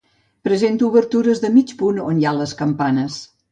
Presenta obertures de mig punt on hi ha les campanes.